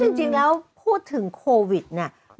จริงแล้วพูดถึงโควิดเนี่ย